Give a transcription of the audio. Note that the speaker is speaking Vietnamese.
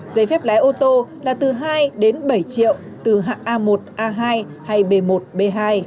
giấy phép lái ô tô là từ hai đến bảy triệu từ hạng a một a hai hay b một b hai